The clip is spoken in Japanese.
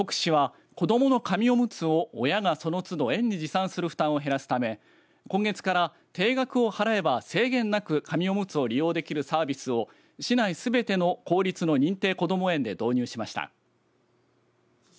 かほく市は子どもの紙おむつを親がその都度、園に持参する負担を減ら減らすため今月から定額を払えば制限なく紙おむつを利用できるサービスを市内すべての公立の認定こども園で導入しました。